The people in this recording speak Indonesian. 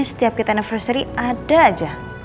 setiap kita neversory ada aja